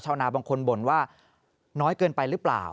นาบางคนบ่นว่าน้อยเกินไปหรือเปล่า